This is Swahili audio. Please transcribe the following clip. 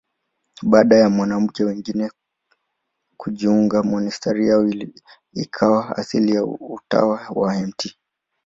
Baada ya wanawake wengine kujiunga, monasteri yao ikawa asili ya Utawa wa Mt.